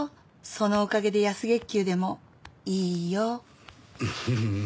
そのおかげで安月給でもいいよ。